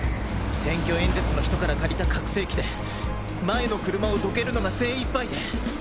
選挙演説の人から借りた拡声器で前の車をどけるのが精一杯で。